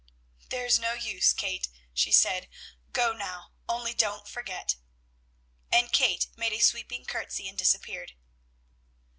"There's no use, Kate," she said; "go now, only don't forget." And Kate made a sweeping courtesy and disappeared.